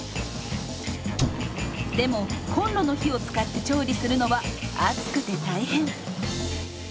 でもコンロの火を使って調理するのは暑くて大変。